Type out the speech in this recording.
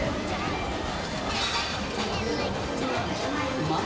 うまい？